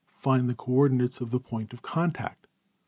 Find the coordinates of the point of contact.